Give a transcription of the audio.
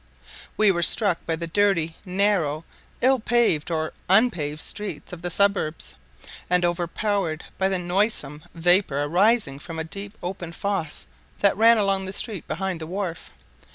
] We were struck by the dirty, narrow, ill paved or unpaved streets of the suburbs, and overpowered by the noisome vapour arising from a deep open fosse that ran along the street behind the wharf.